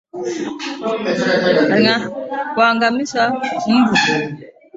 Kuangamiza mbu